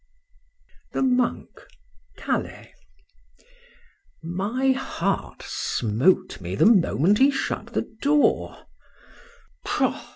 THE MONK. CALAIS. MY heart smote me the moment he shut the door—Psha!